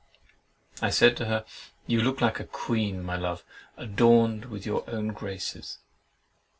I said to her, "You look like a queen, my love, adorned with your own graces!"